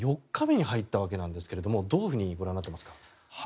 ４日目に入ったわけですがどういうふうにご覧になっていますか？